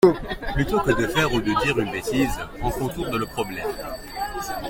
Plutôt que de faire ou de dire une bêtise, on contourne le problème.